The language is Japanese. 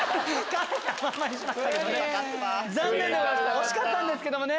惜しかったんですけどもね。